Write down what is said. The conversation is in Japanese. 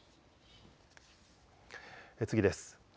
次です。